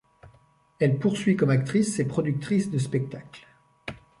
Elle poursuit comme actrice et productrice de spectacles.